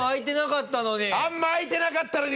あんまり開いてなかったのに。